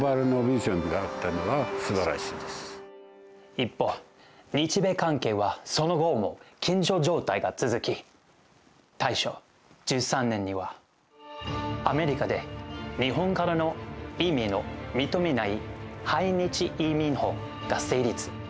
一方、日米関係はその後も緊張状態が続き大正１３年には、アメリカで日本からの移民を認めない排日移民法が成立。